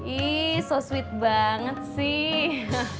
ih so sweet banget sih